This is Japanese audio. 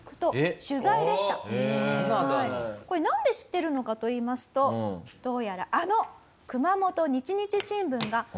これなんで知ってるのかといいますとどうやらあの。